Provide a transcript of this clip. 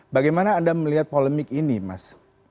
bagaimana anda melihat polemik ini mas